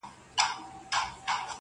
گوره په ما باندي ده څومره خپه_